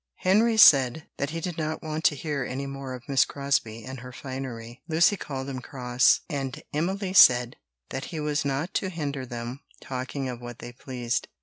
Henry said that he did not want to hear any more of Miss Crosbie and her finery. Lucy called him cross; and Emily said that he was not to hinder them talking of what they pleased.